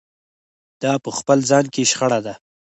دا په خپل ځان کې شخړه ده.